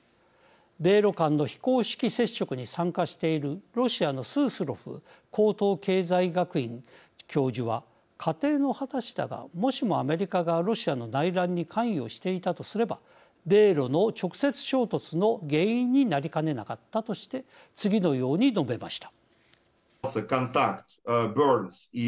米ロ間の非公式接触に参加しているロシアのスースロフ高等経済学院教授は仮定の話だがもしもアメリカがロシアの内乱に関与していたとすれば米ロの直接衝突の原因になりかねなかったとして次のように述べました。